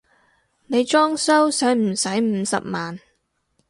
你裝修駛唔駛五十萬？